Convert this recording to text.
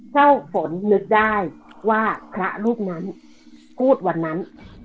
เจ้าฝนนึกได้ว่าพระรูปนั้นพูดวันนั้น